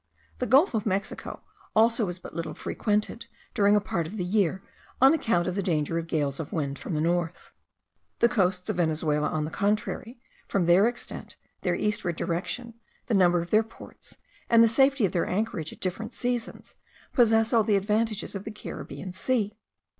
The gulf of Mexico also is but little frequented during a part of the year, on account of the danger of gales of wind from the north. The coasts of Venezuela, on the contrary, from their extent, their eastward direction, the number of their ports, and the safety of their anchorage at different seasons, possess all the advantages of the Caribbean Sea.